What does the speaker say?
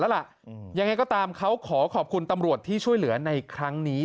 แล้วล่ะยังไงก็ตามเขาขอขอบคุณตำรวจที่ช่วยเหลือในครั้งนี้